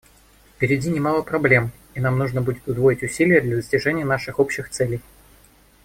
Впереди немало проблем, и нам нужно будет удвоить усилия для достижения наших общих целей.